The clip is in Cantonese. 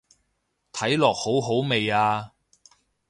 睇落好好味啊